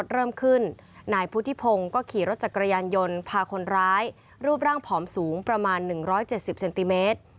รูปร่างผอมสูงประมาณ๑๗๐เซนติเมตร